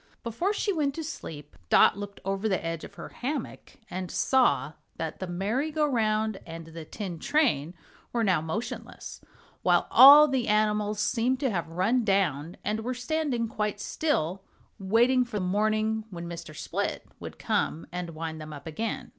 Before she went to sleep Dot looked over the edge of her hammock and saw that the merry go round and the tin train were now motionless, while all the animals seemed to have run down and were standing quite still waiting for morning, when Mr. Split would come and wind them up again.